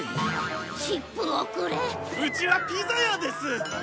うちはピザ屋です！